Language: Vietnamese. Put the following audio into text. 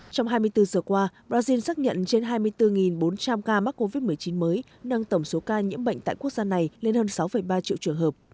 trong hai mươi bốn giờ qua brazil xác nhận trên hai mươi bốn bốn trăm linh ca mắc covid một mươi chín mới nâng tổng số ca nhiễm bệnh tại quốc gia này lên hơn sáu ba triệu trường hợp